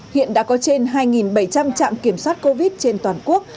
hiện đã có trên hai bảy trăm linh trạm kiểm soát covid trên toàn quốc